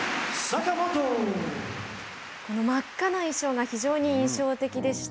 この真っ赤な衣装が非常に印象的でした。